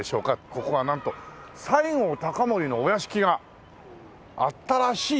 ここはなんと西郷隆盛のお屋敷があったらしいと。